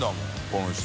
この人。